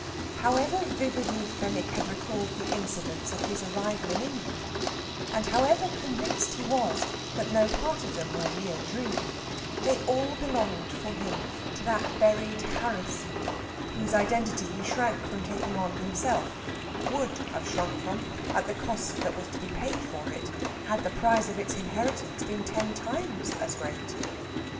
However vividly Fenwick had recalled the incidents of his arrival in England, and however convinced he was that no part of them was mere dream, they all belonged for him to that buried Harrisson whose identity he shrank from taking on himself would have shrunk from, at the cost that was to be paid for it, had the prize of its inheritance been ten times as great.